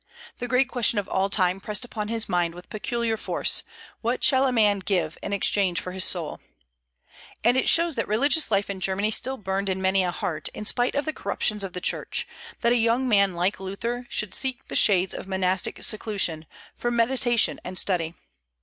The great question of all time pressed upon his mind with peculiar force, "What shall a man give in exchange for his soul?" And it shows that religious life in Germany still burned in many a heart, in spite of the corruptions of the Church, that a young man like Luther should seek the shades of monastic seclusion, for meditation and study.